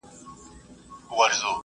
تاریخ لیکي چې د ګورګین چلند بېخي ناوړه و.